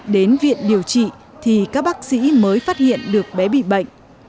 đến viện điều trị thì các bác sĩ mới phát hiện được bé bị bệnh